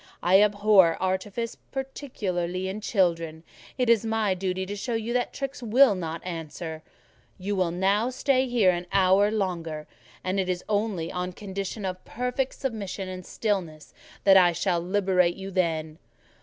I abhor artifice, particularly in children; it is my duty to show you that tricks will not answer: you will now stay here an hour longer, and it is only on condition of perfect submission and stillness that I shall liberate you then."